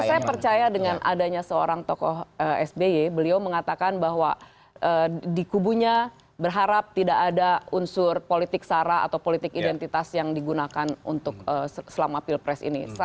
saya percaya dengan adanya seorang tokoh sby beliau mengatakan bahwa di kubunya berharap tidak ada unsur politik sara atau politik identitas yang digunakan untuk selama pilpres ini